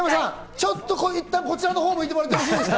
ちょっといったん、こちらのほうをむいてもらっていいですか？